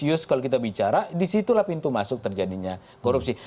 terus kalau kita bicara di situlah pintu masuk terjadinya korupsi